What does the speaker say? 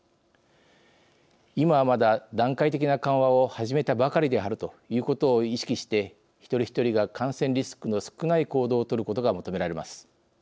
今はまだ段階的な緩和を始めたばかりであるということを意識して、一人一人が感染リスクの少ない行動をとることが求められます。